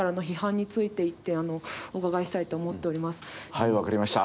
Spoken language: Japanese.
はい分かりました。